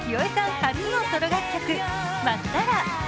初のソロ楽曲「まっさら」。